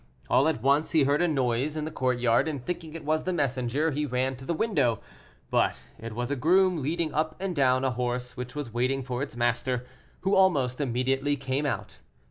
All at once he heard a horse in the courtyard, and thinking it was the messenger, he ran to the window, but it was a groom leading up and down a horse which was waiting for its master, who almost immediately came out.